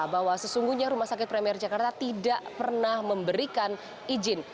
bahwa sesungguhnya rumah sakit premier jakarta tidak pernah memberikan izin